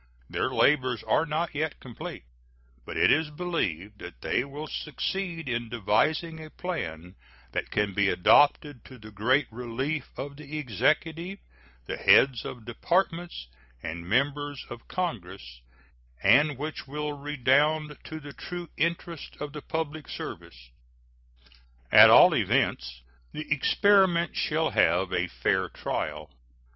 Their labors are not yet complete, but it is believed that they will succeed in devising a plan that can be adopted to the great relief of the Executive, the heads of Departments, and members of Congress, and which will redound to the true interest of the public service. At all events, the experiment shall have a fair trial.